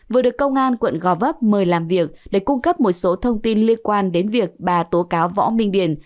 vừa được công an quận gò vấp mời làm việc để cung cấp một số thông tin liên quan đến việc bà tố cáo võ minh điển